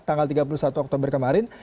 tanggal tiga puluh satu oktober kemarin